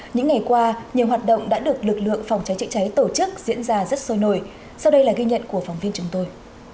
những ngày qua nhiều hoạt động đã được lực lượng phòng cháy chữa cháy tổ chức diễn ra rất sôi nổi sau đây là ghi nhận của phóng viên chúng tôi